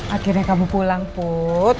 akhirnya kamu pulang put